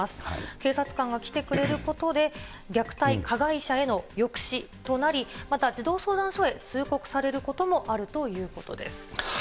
警察官が来てくれることで、虐待加害者への抑止となり、また児童相談所へ通告されることもあるということです。